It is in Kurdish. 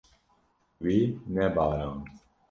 Wî nebarand.